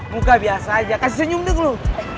buka biasa aja kasih senyum dulu